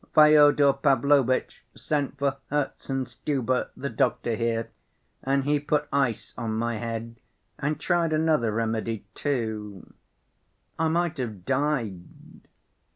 Fyodor Pavlovitch sent for Herzenstube, the doctor here, and he put ice on my head and tried another remedy, too.... I might have died."